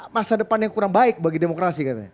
masa depan yang kurang baik bagi demokrasi katanya